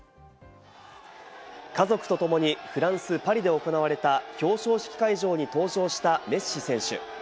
家族とともにフランス・パリで行われた表彰式会場に登場したメッシ選手。